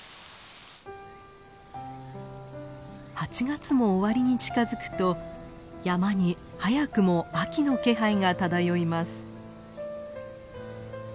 ８月も終わりに近づくと山に早くも秋の気配が漂います。